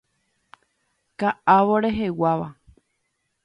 Ka'avo reheguáva.